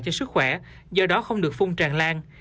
cho sức khỏe do đó không được phung tràn lan